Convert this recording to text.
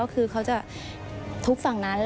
คือเขาจะทุบฝั่งนั้น